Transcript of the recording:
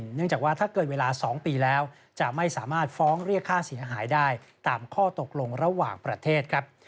เนื่องจากว่าถ้าเกินเวลา๒ปีแล้วจะไม่สามารถฟ้องเรียกค่าเสียหายได้ตามข้อตกลงระหว่างประเทศครับ